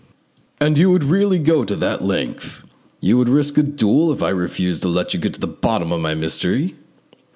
"And you would really go that length? You would risk a duel if I refused to let you get to the bottom of my mystery?"